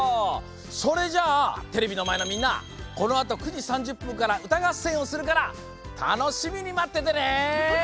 それじゃあテレビのまえのみんなこのあと９じ３０ぷんからうたがっせんをするからたのしみにまっててね。